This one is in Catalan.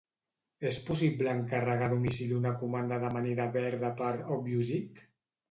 És possible encarregar a domicili una comanda d'amanida verda per ObviousEat?